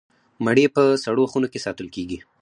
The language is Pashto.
مڼې په سړو خونو کې ساتل کیږي.